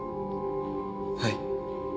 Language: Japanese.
はい。